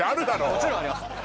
もちろんあります